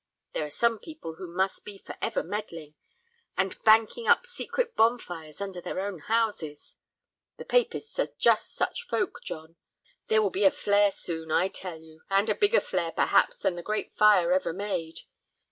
There are some people who must be forever meddling, and banking up secret bonfires under their own houses. The papists are just such folk, John. There will be a flare soon, I tell you, and a bigger flare, perhaps, than the Great Fire ever made.